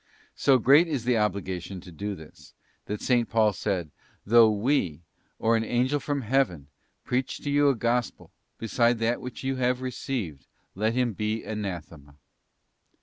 So great is the obligation to do this, that S. Paul said: 'Though we, or an Angel from Heaven, preach to you a gospel, beside that which you have received, let him be anathema.